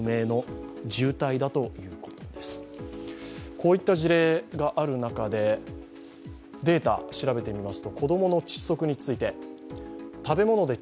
こういった事例がある中でデータ調べてみます。